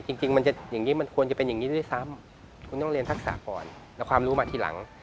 จริงมันจะอย่างนี้มันควรจะเป็นอย่างนี้ด้วยซ้ำคุณต้องเรียนทักษะก่อนแล้วความรู้มาทีหลัง